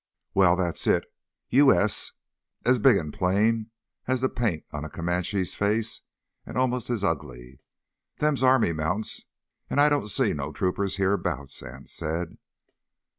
"Well, that's it. U.S. As big an' plain as th' paint on a Comanche face an' almost as ugly. Them's army mounts an' I don't see no troopers hereabouts," Anse said.